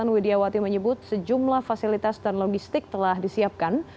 widiawati menyebut sejumlah fasilitas dan logistik telah disiapkan